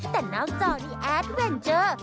แต่นอกจอนี้แอดเวนเจอร์